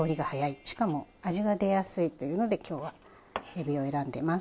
しかも味が出やすいというので今日はエビを選んでます。